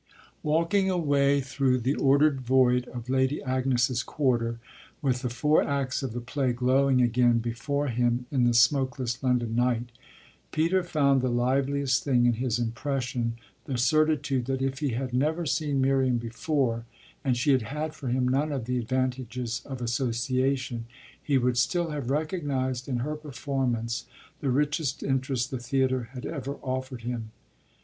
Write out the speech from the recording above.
Walking away through the ordered void of Lady Agnes's quarter, with the four acts of the play glowing again before him in the smokeless London night, Peter found the liveliest thing in his impression the certitude that if he had never seen Miriam before and she had had for him none of the advantages of association, he would still have recognised in her performance the richest interest the theatre had ever offered him.